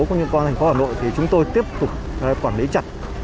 cũng như con thành phố hà nội thì chúng tôi tiếp tục quản lý chặt